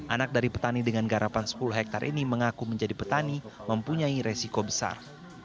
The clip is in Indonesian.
anak dari petani dengan garapan sepuluh hektare ini mengaku menjadi petani mempunyai resiko besar